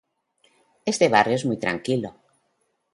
Este barrio es muy tranquilo